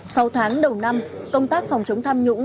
sau tháng đầu năm công tác phòng chống tham nhũng